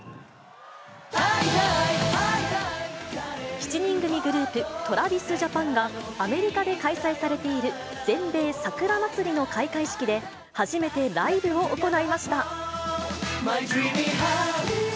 ７人組グループ、ＴｒａｖｉｓＪａｐａｎが、アメリカで開催されている全米桜祭りの開会式で、初めてライブを行いました。